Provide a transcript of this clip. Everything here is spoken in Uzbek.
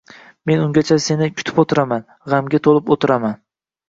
Men ungacha seni kutib oʻtiraman, gʻamga toʻlib oʻtiraman.